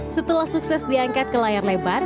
setelah sukses diangkat ke layar lebar